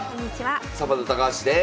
サバンナ高橋です。